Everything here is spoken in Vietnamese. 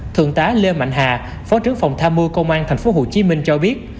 thượng tá lê mạnh hà phó trưởng phòng tham mưu công an tp hcm cho biết